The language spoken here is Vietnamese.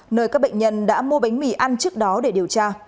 nơi các bệnh nhân đã mua bánh mì ăn trước đó để điều tra